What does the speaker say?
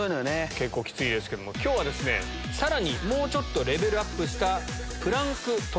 結構きついですけども今日はさらにもうちょっとレベルアップした。